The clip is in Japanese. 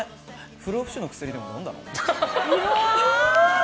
不老不死の薬でも飲んだの？